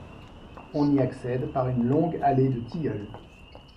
On y accède par une longue allée de tilleuls.